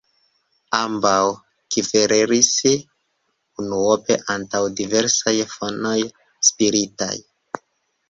Ambaŭ kverelis, unuope antaŭ diversaj fonoj spiritaj.